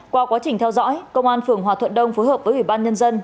qua quá trình theo dõi công an phường hòa thuận đông phối hợp với ủy ban nhân dân